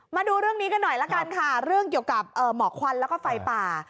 มาดูเรื่องนี้กันหน่อยละกันค่ะเรื่องเกี่ยวกับหมอกควันแล้วก็ไฟป่า